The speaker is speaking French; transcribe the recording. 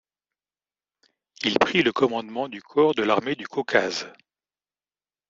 Il prit le commandement du Corps de l'armée du Caucase.